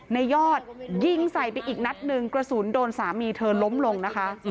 ยอดยิงใส่ไปอีกนัดหนึ่งกระสุนโดนสามีเธอล้มลงนะคะ